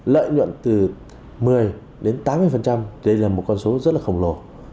lợi nhuận từ một mươi đến tám mươi đây là một con số rất là khổng lồ